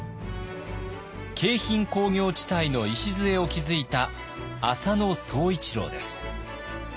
京浜工業地帯の礎を築いた浅野総一郎です。